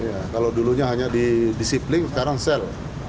iya kalau dulunya hanya di disiplin sekarang sel